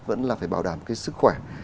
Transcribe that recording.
vẫn là phải bảo đảm cái sức khỏe